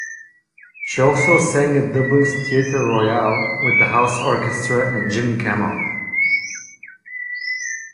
She also sang at Dublin's Theatre Royal with the house orchestra and Jimmy Campbell.